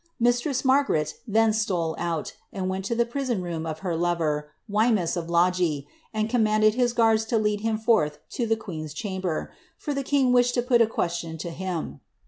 Mis tress Margaret then stole out. and went to the prison room of her lover, Wemys of Logie, and commanded his guards to lead him forthwith lo the queen's chainher, for the king wished lo put a question lo him.